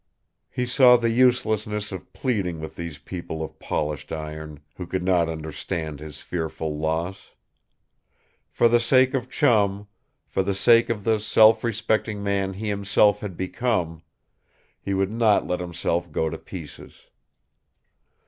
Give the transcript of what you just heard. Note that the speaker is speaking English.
He saw the uselessness of pleading with these people of polished iron, who could not understand his fearful loss. For the sake of Chum for the sake of the self respecting man he himself had become he would not let himself go to pieces.